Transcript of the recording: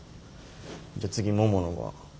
じゃあ次ももの番。